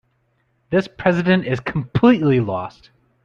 This president is completely lost.